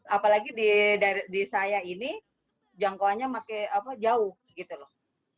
apalagi di saya ini jangkauannya makin jauh gitu loh